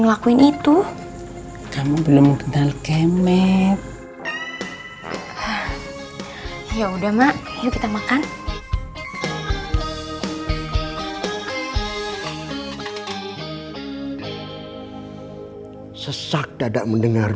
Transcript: ngelakuin itu kamu belum kenal game ya udah mbak yuk kita makan sesak dadak mendengar